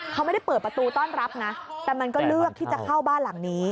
เขาไม่ได้เปิดประตูต้อนรับนะแต่มันก็เลือกที่จะเข้าบ้านหลังนี้